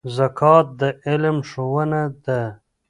زکات د علم ښوونه ده.